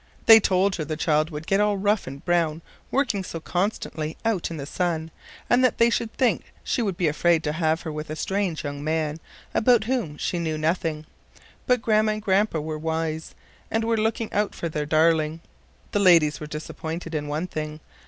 They told her the child would get all rough and brown working so constantly out in the sun, and that they should think she would be afraid to have her with a strange young man, about whom she knew nothing; but Grandma and Grandpa were wise, and were looking out for their darling. The ladies were disappointed in one thing.